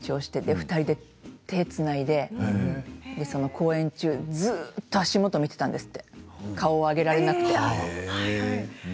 ２人で手をつないで公演中、ずっと足元を見ていたんですって顔を上げられなくて。